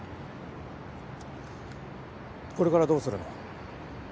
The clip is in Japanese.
これからどうするの？